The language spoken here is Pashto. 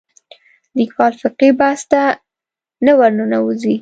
لیکوال فقهي بحث ته نه ورننوځي